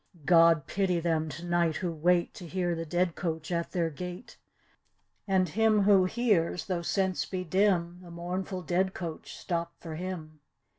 God pity them to night who wait To hear the dead coach at their gate, And him who hears, though sense be dim. The mournful dead coach stop for him.